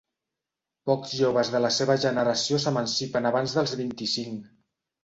Pocs joves de la seva generació s'emancipen abans dels vint-i-cinc.